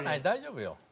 大丈夫よ。